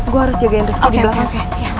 gue harus jagain rezeki di belakang